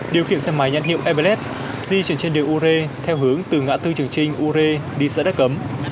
điều khiển xe máy nhãn hiệu evelet di chuyển trên đường ú rê theo hướng từ ngã tư trường trinh ú rê đi xã đắc cấm